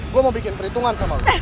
gue mau bikin perhitungan sama lo